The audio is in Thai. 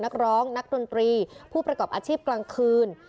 นักร้องนักดนตรีผู้ประกอบอาชีพกลางคืน